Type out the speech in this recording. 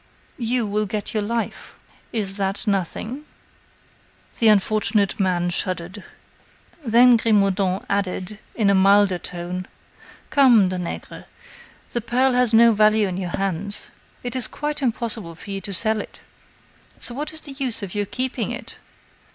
"You will get your life. Is that nothing?" The unfortunate man shuddered. Then Grimaudan added, in a milder tone: "Come, Danègre, that pearl has no value in your hands. It is quite impossible for you to sell it; so what is the use of your keeping it?"